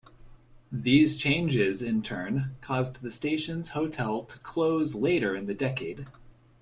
These changes in turn caused the station's hotel to close later in the decade.